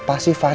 aku tak mau